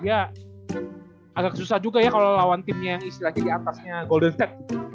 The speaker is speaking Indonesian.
ya agak susah juga ya kalau lawan tim yang istilahnya di atasnya golden state